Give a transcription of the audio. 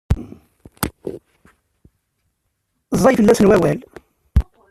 Ẓẓay fell-asen wawal.